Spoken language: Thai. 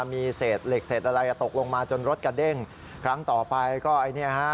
มีเศษเหล็กเศษอะไรอ่ะตกลงมาจนรถกระเด้งครั้งต่อไปก็ไอ้เนี่ยฮะ